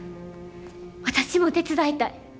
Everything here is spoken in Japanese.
私も手伝いたい。